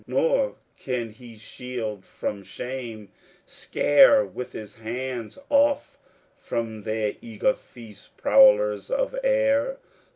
Nor can he shield from shame, scare with his hands, Off from their eager feast prowlers of air.